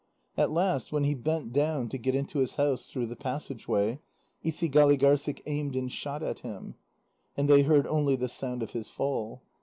At last, when he bent down to get into his house through the passage way, Isigâligârssik aimed and shot at him. And they heard only the sound of his fall.